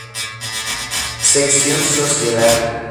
Sección Sociedad.